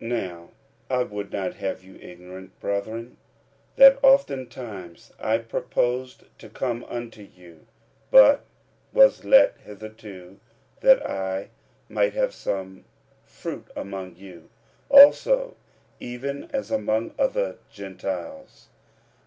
45:001:013 Now I would not have you ignorant, brethren, that oftentimes I purposed to come unto you, (but was let hitherto,) that I might have some fruit among you also, even as among other Gentiles.